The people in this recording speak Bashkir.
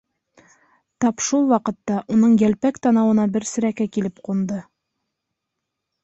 Тап шул ваҡытта уның йәлпәк танауына бер серәкәй килеп ҡунды.